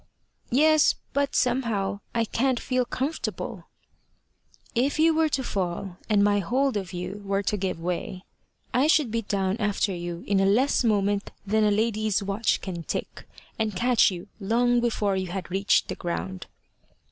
"Yes, but somehow I can't feel comfortable." "If you were to fall, and my hold of you were to give way, I should be down after you in a less moment than a lady's watch can tick, and catch you long before you had reached the ground."